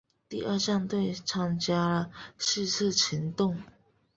第二战队参加了是次行动。